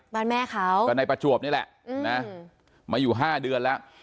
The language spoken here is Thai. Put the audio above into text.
แม่เขาก็ในประจวบนี่แหละนะมาอยู่๕เดือนแล้ว